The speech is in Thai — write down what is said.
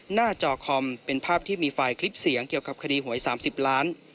จอคอมเป็นภาพที่มีไฟล์คลิปเสียงเกี่ยวกับคดีหวย๓๐ล้าน